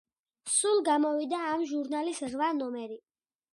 სულ გამოვიდა ამ ჟურნალის რვა ნომერი.